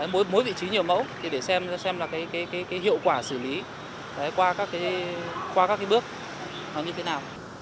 mỗi vị trí nhiều mẫu để xem là cái hiệu quả xử lý qua các cái bước nó như thế nào